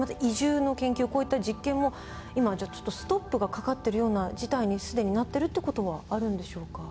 こういった実験も今はストップがかかってるような事態にすでになってるって事はあるんでしょうか？